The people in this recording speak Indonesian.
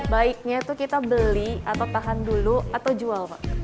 baiknya itu kita beli atau tahan dulu atau jual pak